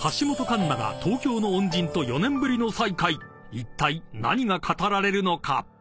［いったい何が語られるのか？］